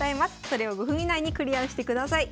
それを５分以内にクリアしてください。